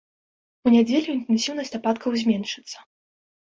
У нядзелю інтэнсіўнасць ападкаў зменшыцца.